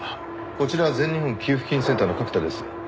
こちら全日本給付金センターの角田です。